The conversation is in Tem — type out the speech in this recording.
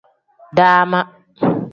Dama.